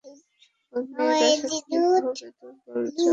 ওই মেয়েরা শারীরিকভাবে দুর্বল, জন।